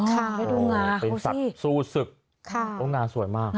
เป็นสัตว์สูสึกต้องนาสวยมาก